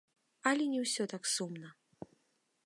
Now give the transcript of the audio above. Але не ўсё так сумна!